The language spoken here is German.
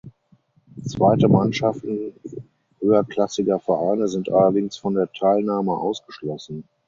Zweite Mannschaften höherklassiger Vereine sind allerdings von der Teilnahme ausgeschlossen.